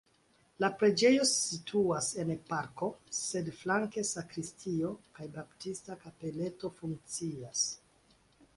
La preĝejo situas en parko, sed flanke sakristio kaj baptista kapeleto funkcias.